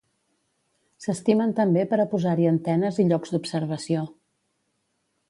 S'estimen també per a posar-hi antenes i llocs d'observació.